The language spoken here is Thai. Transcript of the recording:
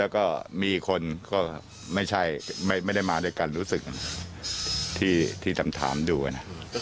ก็คือผู้หญิงหรอที่มาคุย